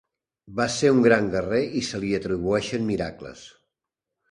Va ser un gran guerrer i se li atribueixen miracles.